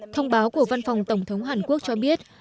thông báo của văn phòng tổng thống hàn quốc cho biết